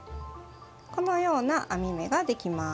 このような編み目ができます。